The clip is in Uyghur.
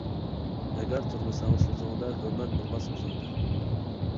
ئەگەر تۇرمىساڭ سۆزۈڭدە، ھۆرمەت بولماس ئۆزۈڭدە.